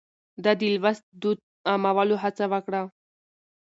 ده د لوست دود عامولو هڅه وکړه.